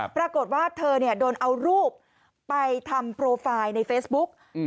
ปรากฏว่าเธอเนี่ยโดนเอารูปไปทำโปรไฟล์ในเฟซบุ๊ก